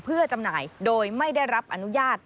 เพื่อจำหน่ายโดยไม่ได้รับอนุญาต